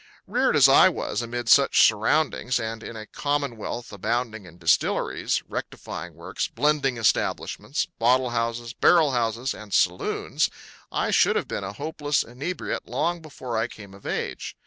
Reared, as I was, amid such surroundings and in a commonwealth abounding in distilleries, rectifying works, blending establishments, bottle houses, barrel houses, and saloons, I should have been a hopeless inebriate long before I came of age.